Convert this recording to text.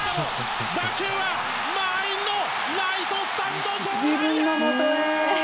打球は満員のライトスタンド上段へ！